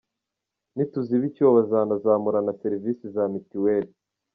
Nituziba icyuho bizanazamura na serivisi za mituweli.